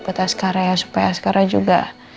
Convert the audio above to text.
buat askara ya supaya askara juga